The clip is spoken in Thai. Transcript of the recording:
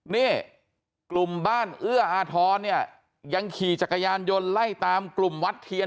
นี่กลุ่มบ้านเอื้ออาทรเนี่ยยังขี่จักรยานยนต์ไล่ตามกลุ่มวัดเทียน